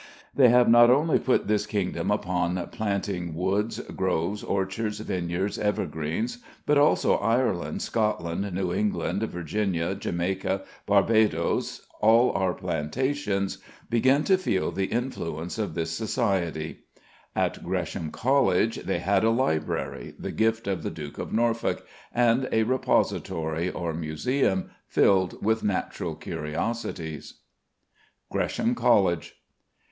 They have not only put this kingdom upon planting woods, groves, orchards, vineyards, evergreens, but also Ireland, Scotland, New England, Virginia, Jamaica, Barbadoes, all our plantations, begin to feel the influence of this Society." At Gresham College they had a library, the gift of the Duke of Norfolk, and a repository or museum, filled with natural curiosities. GRESHAM COLLEGE.